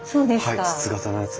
はい筒形のやつ。